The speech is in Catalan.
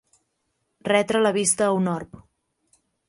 Retre la vista a un orb.